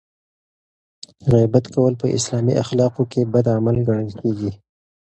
غیبت کول په اسلامي اخلاقو کې بد عمل ګڼل کیږي.